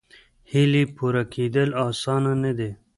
هیلې پوره کېدل اسانه نه دي.